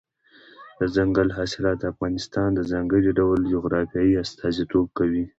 دځنګل حاصلات د افغانستان د ځانګړي ډول جغرافیې استازیتوب کوي.